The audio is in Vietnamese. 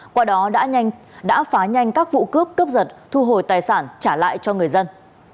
qua đó đã phá nhanh các vụ cướp cướp giật thu hồi tài sản trả lại cho người dân